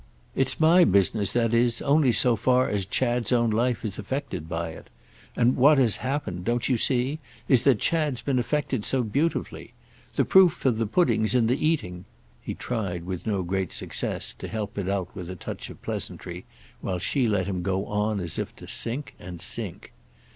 It's my business, that is, only so far as Chad's own life is affected by it; and what has happened, don't you see? is that Chad's has been affected so beautifully. The proof of the pudding's in the eating"—he tried, with no great success, to help it out with a touch of pleasantry, while she let him go on as if to sink and sink.